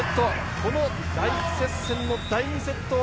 この大接戦の第２セットを